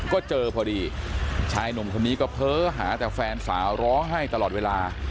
ก็เจอพอดีชายหนุ่มคนนี้ก็เพ้อหาแต่แฟนสาวร้องไห้ตลอดเวลา